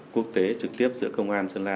quốc tế trực tiếp giữa công an sơn la